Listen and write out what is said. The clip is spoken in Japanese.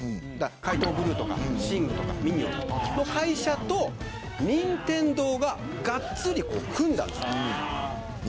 怪盗グルーとかシングとかミニオンズの会社と任天堂ががっつり組んだんです。